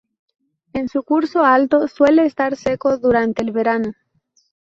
En su curso alto, suele estar seco durante el verano.